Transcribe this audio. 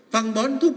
phân bón thuốc